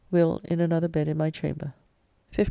Will in another bed in my chamber. 15th.